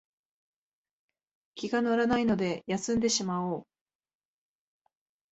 気が乗らないので休んでしまおう